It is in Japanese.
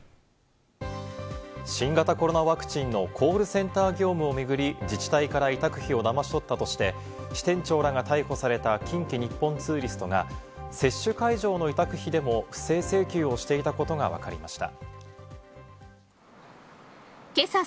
新型コロナワクチンのコールセンター業務を巡り、自治体から委託費をだまし取ったとして、支店長らが逮捕された近畿日本ツーリストが接種会場の委託費でも不正請求をしていたことがわかりました。